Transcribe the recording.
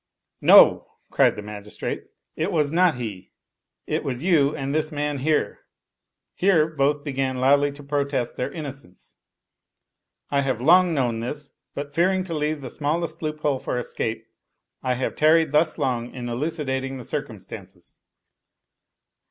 " No !" cried the magistrate, " it was not he. It was you and this man here. [Here both began loudly to protest their inno cence.] I have long known this ; but, fearing to leave the smallest loophole for escape, I have tarried thus long in elucidating the circumstances.